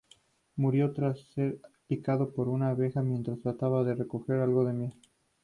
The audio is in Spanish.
Murió tras ser picado por una abeja mientras trataba de recolectar algo de miel.